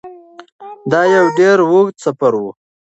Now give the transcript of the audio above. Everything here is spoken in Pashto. دا یو ډیر اوږد سفر و.